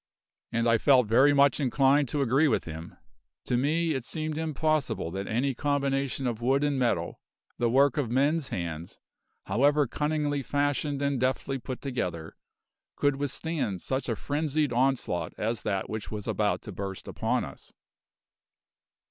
And I felt very much inclined to agree with him. To me it seemed impossible that any combination of wood and metal, the work of men's hands, however cunningly fashioned and deftly put together, could withstand such a frenzied onslaught as that which was about to burst upon us.